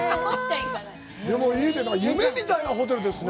夢みたいなホテルですね。